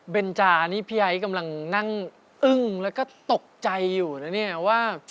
จานี่พี่ไอ้กำลังนั่งอึ้งแล้วก็ตกใจอยู่นะเนี่ยว่า